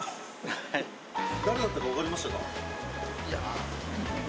いや。